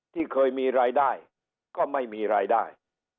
ที่เคยมีรายได้ก็ไม่มีรายได้